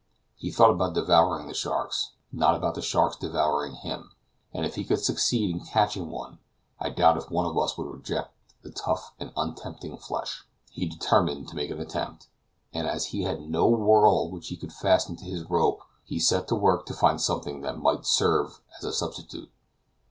He thought about devouring the sharks, not about the sharks devouring him; and if he could succeed in catching one, I doubt if one of us would reject the tough and untempting flesh. He determined to make the attempt, and as he had no whirl which he could fasten to his rope he set to work to find something that might serve as a substitute.